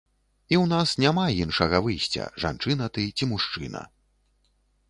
І ў нас няма іншага выйсця, жанчына ты ці мужчына.